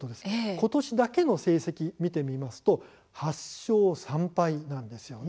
ことしだけの成績を見てみると８勝３敗なんです。